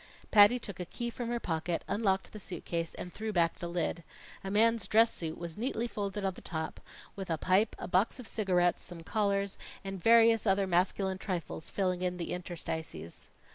Patty took a key from her pocket, unlocked the suit case, and threw back the lid. A man's dress suit was neatly folded on the top, with a pipe, a box of cigarettes, some collars, and various other masculine trifles filling in the interstices.